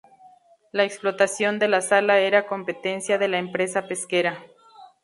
La explotación de la sala era competencia de la empresa Pesquera.